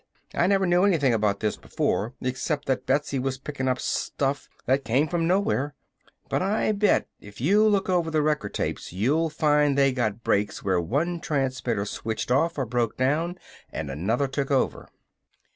I never knew anything about this before, except that Betsy was pickin' up stuff that came from nowhere. But I bet if you look over the record tapes you will find they got breaks where one transmitter switched off or broke down and another took over!"